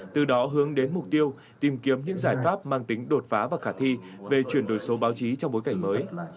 từ đó hướng đến mục tiêu tìm kiếm những giải pháp mang tính đột phá và khả thi về chuyển đổi số báo chí trong bối cảnh mới